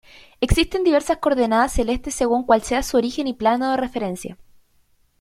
Existen diversas coordenadas celestes según cuál sea su origen y plano de referencia.